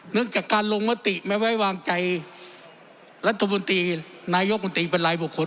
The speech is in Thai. เนื่องจากการลงมติไม่ไว้วางใจรัฐบุรตีนายกบุรตีเป็นไรบุคคล